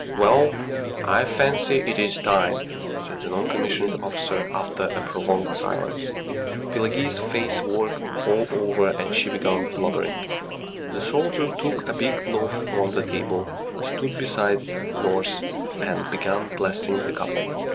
"Well ... I fancy it is time," said the non commissioned officer, after a prolonged silence. Pelageya's face worked all over and she began blubbering. ... The soldier took a big loaf from the table, stood beside nurse, and began blessing the couple.